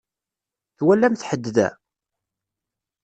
Twalamt ḥedd da?